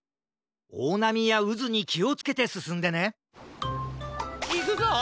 おおなみやうずにきをつけてすすんでねいくぞ！